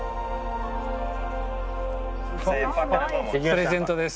プレゼントです。